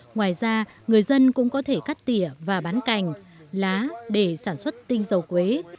ngoài ra người dân cũng có thể cắt tỉa và bán cành lá để sản xuất tinh dầu quế